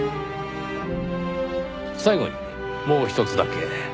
最後にもうひとつだけ。